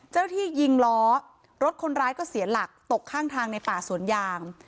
เจ้าหน้าที่ยิงล้อรถคนร้ายก็เสียหลักตกข้างทางในป่าสวนยาง